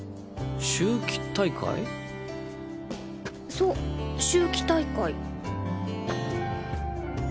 そ秋季大会。